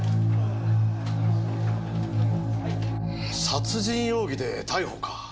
殺人容疑で逮捕か。